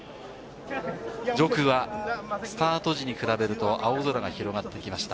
上空はスタート時に比べると、青空が広がってきました。